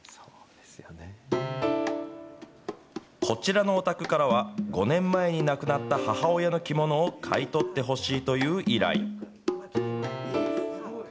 こちらのお宅からは、５年前に亡くなった母親の着物を買い取ってほしいという依頼。